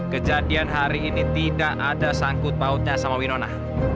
kejadian hari ini tidak ada sangkut pautnya sama winona